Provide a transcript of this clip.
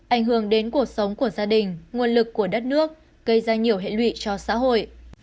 ảnh hưởng đến cuộc sống của gia đình nguồn lực của đất nước gây ra nhiều hệ lụy cho xã hội